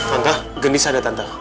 entah gendis ada tante